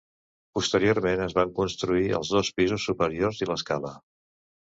Posteriorment es van construir els dos pisos superiors i l'escala.